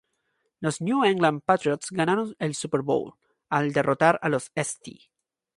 Los New England Patriots ganaron el Super Bowl, al derrotar a los St.